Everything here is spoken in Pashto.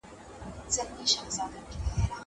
زه به سفر کړی وي.